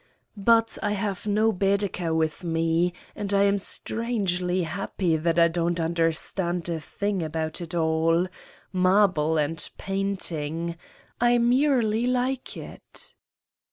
But I have no Baedecker with me and I am strangely happy that I don 't under stand a thing about it all: marble and painting. I merely like it.